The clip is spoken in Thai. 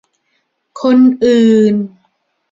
คนอื่น